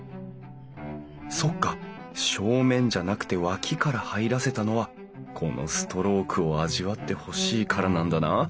そっか正面じゃなくて脇から入らせたのはこのストロークを味わってほしいからなんだな。